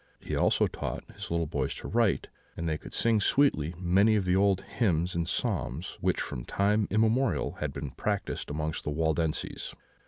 He also taught his little boys to write; and they could sing sweetly many of the old hymns and psalms which from time immemorial had been practised among the Waldenses.